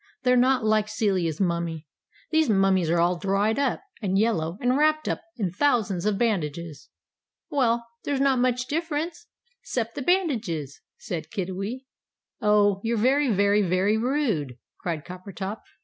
"They're not like Celia's mummie. These mummies are all dried up, and yellow, and wrapt up in thousands of bandages." "Well, there's not much difference 'cept the bandages," said Kiddiwee. "Oh! You're very, very, very rude!" cried Coppertop.